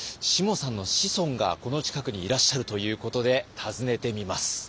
しもさんの子孫がこの近くにいらっしゃるということで訪ねてみます。